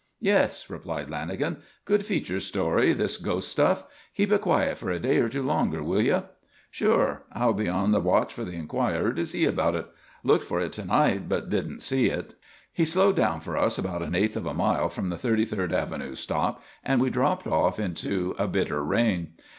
"Yes," replied Lanagan. "Good feature story, this ghost stuff. Keep it quiet for a day or two longer, will you?" "Sure. I'll be on the watch for the Enquirer to see about it. Looked for it to night, but didn't see it." He slowed down for us about an eighth of a mile from the Thirty third Avenue stop and we dropped off into a bitter rain.